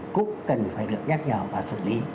cũng cần phải được nhắc nhở và xử lý